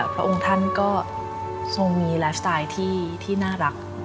พระองค์ท่านก็ทรงมีไลฟ์สไตล์ที่น่ารัก